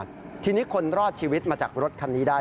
ทีนี้คนรอดชีวิตมาจากรถคันนี้ได้